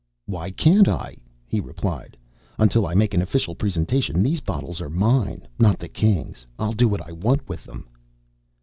"Why can't I?" he replied. "Until I make an official presentation, these bottles are mine, not the Kings'. I'll do what I want with them."